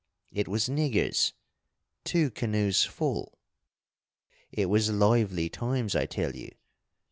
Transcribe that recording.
It was niggers! Two canoes full. "It was lively times, I tell you!